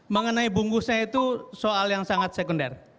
mengenai bungkusnya itu soal yang sangat sekunder